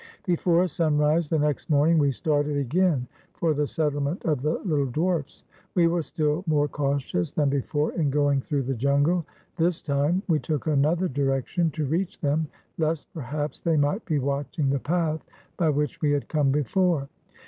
Before sunrise the next morning we started again for the settlement of the little dwarfs. We were still more cautious than before in going through the jungle. This time we took another direction to reach them, lest per haps they might be watching the path by which we had come before.